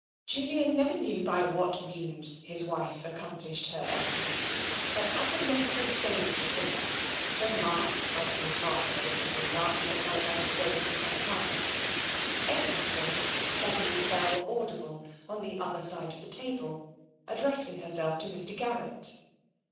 Julian never knew by what means his wife accom plished her end, but at a later stage of dinner, when Mark and Miss Marchrose had been laughing at one another's jokes for some time, Edna's voice suddenly fell audible on the other side of the table addressing herself to Mr. Garrett